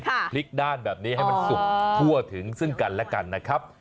พลิกด้านแบบนี้ให้มันสุกทั่วถึงซึ่งกันและกันนะครับ